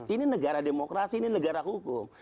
ini negara demokrasi ini negara hukum